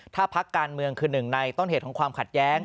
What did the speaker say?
ถ้าพักการเมืองคือหนึ่งในต้นเหตุของความขัดแย้ง